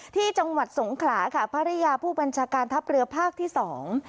ที่จังหวัดสงขลาค่ะภรรยาผู้บัญชาการทัพเรือภาคที่สอง